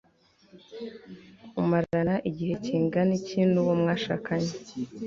umarana igihe kingana iki nuwo mwashakanye